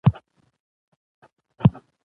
خو هېڅ مې لاس ته رانه وړل.